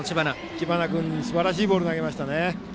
知花君がすばらしいボールを投げましたね。